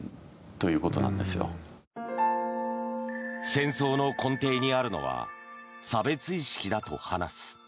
戦争の根底にあるのは差別意識だと話す。